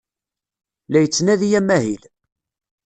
La yettnadi amahil.